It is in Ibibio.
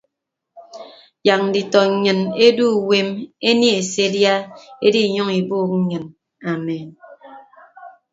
Yak nditọ nnyịn edu uwem enie se edia ediiyʌñ ibuuk nnyịn amen.